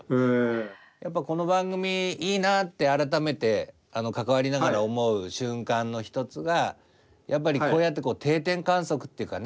やっぱこの番組いいなって改めて関わりながら思う瞬間の一つがやっぱりこうやって定点観測っていうかね